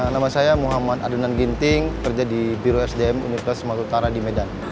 nama saya muhammad adonan ginting kerja di biro sdm universitas sumatera utara di medan